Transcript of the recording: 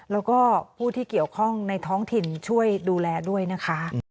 แล้วก็ผู้ที่เกี่ยวข้องในท้องถิ่นช่วยดูแลด้วยนะคะ